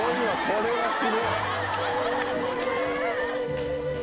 これはすごい！